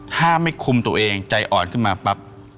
ถ้าไม่คุมตัวเองใจอ่อนขึ้นมาปั๊บ